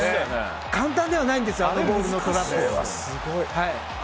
簡単ではないんですよあのボールのトラップ。